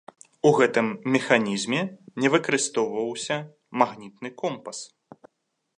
У гэтым механізме не выкарыстоўваўся магнітны компас.